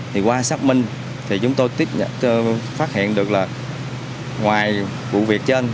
thì qua xác minh thì chúng tôi phát hiện được là ngoài vụ việc trên